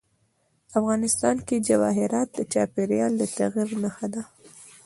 افغانستان کې جواهرات د چاپېریال د تغیر نښه ده.